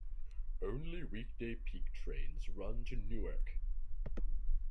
Only weekday peak trains run to Newark.